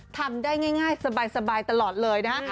ทำได้ง่ายสบายตลอดเลยนะฮะ